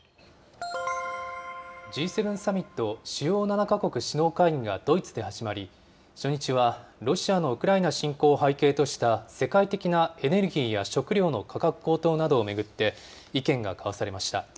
Ｇ７サミット・主要７か国首脳会議がドイツで始まり、初日はロシアのウクライナ侵攻を背景とした世界的なエネルギーや食料の価格高騰などを巡って、意見が交わされました。